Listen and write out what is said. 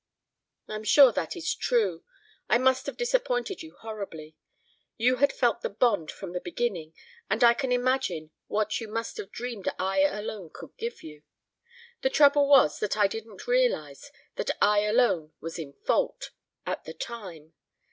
"I'm sure that is true. I must have disappointed you horribly. You had felt the bond from the beginning, and I can imagine what you must have dreamed I alone could give you. The trouble was that I didn't realize that I alone was in fault, at the time.